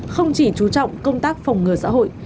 không chỉ chú trọng công tác phòng ngừa xã hội